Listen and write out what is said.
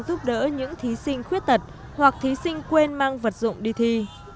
giúp đỡ những thí sinh khuyết tật hoặc thí sinh quên mang vật dụng đi thi